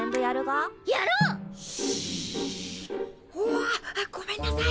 わっごめんなさい。